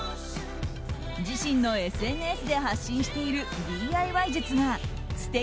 自身のＳＮＳで発信しているＤＩＹ術が素敵！